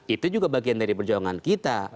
itu juga bagian dari perjuangan kita